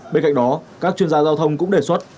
bên cạnh đó các chuyên gia giao thông cũng đề xuất